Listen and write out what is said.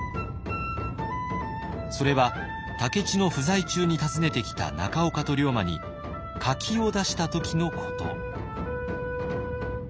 それは武市の不在中に訪ねてきた中岡と龍馬に柿を出した時のこと。